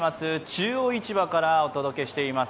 中央市場からお届けしています。